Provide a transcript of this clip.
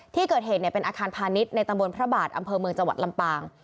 ที่เกิดเหตุเป็นอาคารพาณิชย์ในตำบลพระบาทอำเภอเมืองจังหวัดลำปาง